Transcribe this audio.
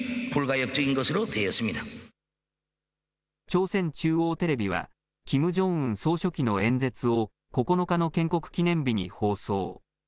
朝鮮中央テレビは、キム・ジョンウン総書記の演説を９日の建国記念日に放送。